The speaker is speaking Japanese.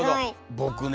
僕ね